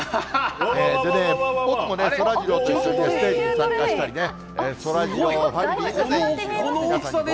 でね、僕もそらジローと一緒にステージに参加したりね、そらジローファミリーが皆さんにごあいさつ。